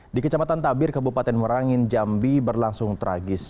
di kecamatan tabir kabupaten merangin jambi berlangsung tragis